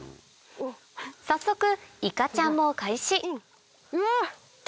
早速いかちゃんも開始うわ！